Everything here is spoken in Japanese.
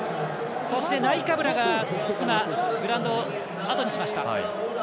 ナイカブラが今グラウンドをあとにしました。